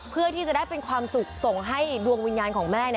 เพื่อที่จะได้เป็นความสุขส่งให้ดวงวิญญาณของแม่